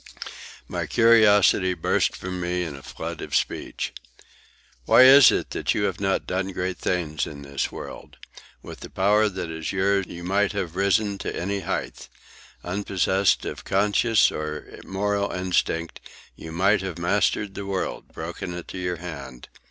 My curiosity burst from me in a flood of speech. "Why is it that you have not done great things in this world? With the power that is yours you might have risen to any height. Unpossessed of conscience or moral instinct, you might have mastered the world, broken it to your hand.